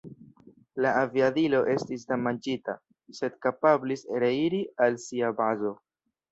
La aviadilo estis damaĝita, sed kapablis reiri al sia bazo.